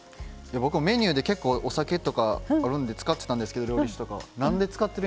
僕、メニューで結構お酒とかあったんで使ってたんですけど、料理してて。